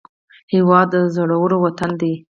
هېواد د زړورو وطن دی